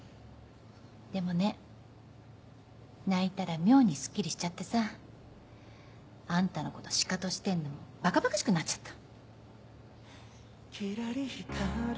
でもね泣いたら妙にスッキリしちゃってさ。あんたのことシカトしてんのもばかばかしくなっちゃった。